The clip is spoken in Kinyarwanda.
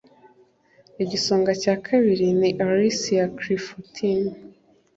igisonga cya kabiri ni Alicia Clifton